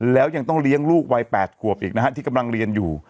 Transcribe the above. แล้วยังต้องเลี้ยงลูกวัย๘ขวบอีกนะฮะที่กำลังเรียนอยู่